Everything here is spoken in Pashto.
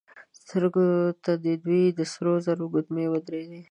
سترګو ته يې دوې د سرو زرو ګوتمۍ ودرېدې.